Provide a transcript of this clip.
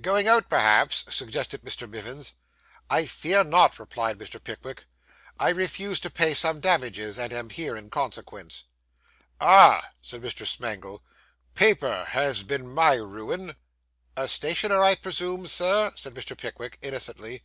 'Going out, perhaps?' suggested Mr. Mivins. 'I fear not,' replied Mr. Pickwick. 'I refuse to pay some damages, and am here in consequence.' 'Ah,' said Mr. Smangle, 'paper has been my ruin.' 'A stationer, I presume, Sir?' said Mr. Pickwick innocently.